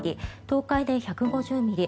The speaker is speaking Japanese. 東海で１５０ミリ